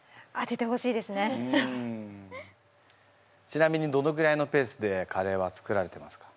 ちなみにどのぐらいのペースでカレーは作られてますか？